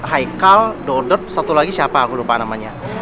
haikal dodot satu lagi siapa aku lupa namanya